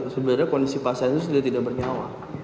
sebenarnya kondisi pasien itu sudah tidak bernyawa